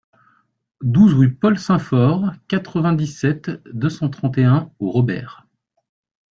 douze rue Paul Symphor, quatre-vingt-dix-sept, deux cent trente et un au Robert